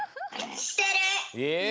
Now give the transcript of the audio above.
してる！え。